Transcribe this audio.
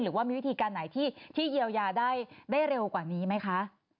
หรือว่ามีวิธีการไหนที่เยียวยาได้เร็วกว่านี้ไหมคะ